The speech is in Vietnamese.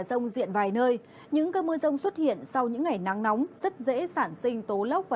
rông diện vài nơi những cơn mưa rông xuất hiện sau những ngày nắng nóng rất dễ sản sinh tố lốc và